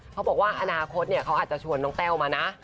เขาบอกว่าอนาคตเขาอาจจะชวนน้องแต้วมานะ